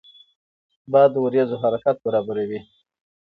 باد د وریځو حرکت برابروي